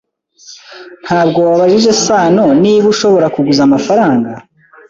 Ntabwo wabajije Sano niba ushobora kuguza amafaranga?